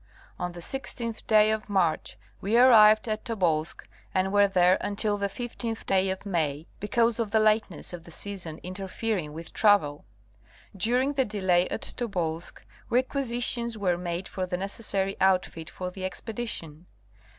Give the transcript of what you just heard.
On the 16th day of March we arrived at Tobolsk and were there until the 15th day of May because of the lateness of the season interfering with travel. During the delay at Tobolsk requisitions were made for the necessary outfit for the expedition.